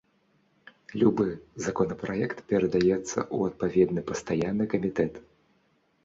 Любы законапраект перадаецца ў адпаведны пастаянны камітэт.